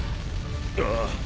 ああ。